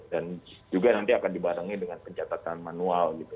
dan juga nanti akan dibarengi dengan pencatatan manual gitu